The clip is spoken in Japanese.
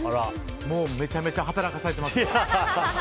もうめちゃめちゃ働かされてますよ。